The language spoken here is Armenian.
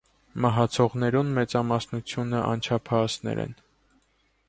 Մահացողներուն մեծամասնութիւնը անչափահասներ են։